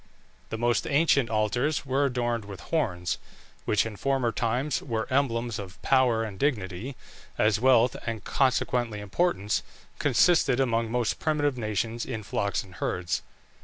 The most ancient altars were adorned with horns, which in former times were emblems of power and dignity, as wealth, and consequently importance, consisted among most primitive nations in flocks and herds.